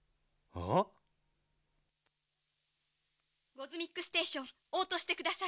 「ゴズミックステーションおうとうしてください。